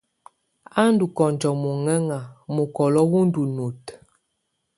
Á ndɔ kɔnjo mɔŋɛŋa, mukɔlo wɔ ndɔ nutǝ.